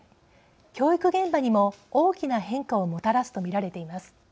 教育現場にも大きな変化をもたらすと見られています。